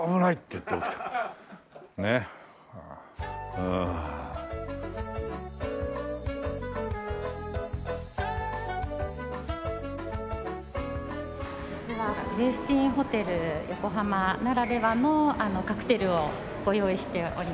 こちらウェスティンホテル横浜ならではのカクテルをご用意しておりまして。